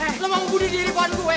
hei lo mau bunuh diri pohon gue